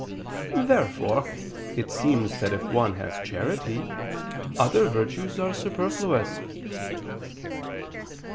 Therefore it seems that if one has charity, other virtues are superfluous.